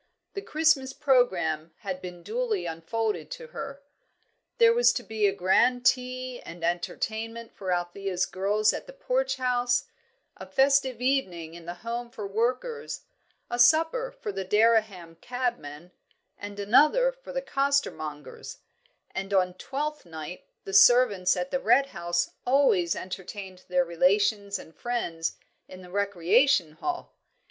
The Christmas programme had been duly unfolded to her. There was to be a grand tea and entertainment for Althea's girls at the Porch House, a festive evening at the Home for Workers, a supper for the Dereham cabmen, and another for the costermongers; and on Twelfth Night the servants at the Red House always entertained their relations and friends in the Recreation Hall.